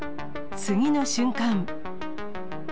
次の瞬間。